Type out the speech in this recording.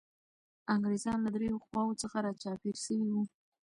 انګریزان له دریو خواوو څخه را چاپېر سوي وو.